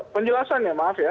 penjelasan ya maaf ya